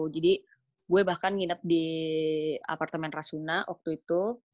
jadi gue bahkan nginep di apartemen rasuna waktu itu